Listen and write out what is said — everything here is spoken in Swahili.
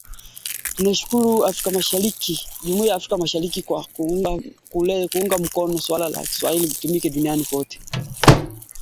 Katika warsha za kuzisaidia kuzihusisha taasisi zisizo za kiserikali kufanya kazi pamoja